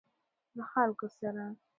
له خلکو سره.